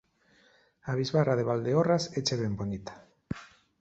A bisbarra de Valdeorras éche ben bonita